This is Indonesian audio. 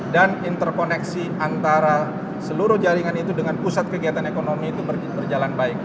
dan interkoneksi antara seluruh jaringan itu dengan pusat kegiatan ekonomi itu berjalan baik